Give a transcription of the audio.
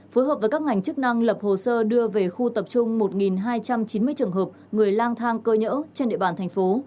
phối hợp với các ngành chức năng lập hồ sơ đưa về khu tập trung một hai trăm chín mươi trường hợp người lang thang cơ nhỡ trên địa bàn thành phố